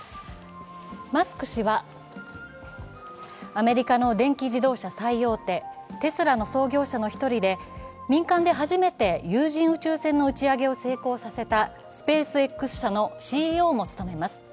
マスク氏はアメリカの電気自動車大手、テスラの創業者の１人で民間で初めて有人宇宙船の打ち上げを成功させたスペースＸ社のＣＥＯも務めます。